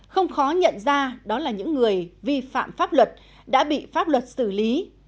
không khó nhận ra đó là những người vi phạm pháp luật đã bị pháp luật xử lý